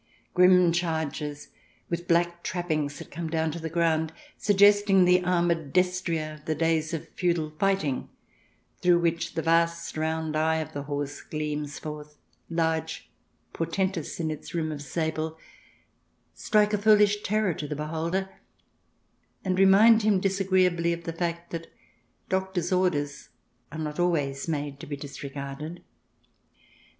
Grim chargers, with black trap pings that come down to the ground, suggesting the armoured destrier of the days of feudal fighting, through which the vast round eye of the horse gleams forth, large, portentous in its rim of sable, strike a foolish terror to the beholder, and remind him disagreeably of the fact that doctor's orders are not always made to be disregarded.